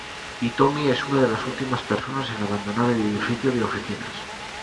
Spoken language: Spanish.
Hitomi es una de las últimas personas en abandonar el edificio de oficinas.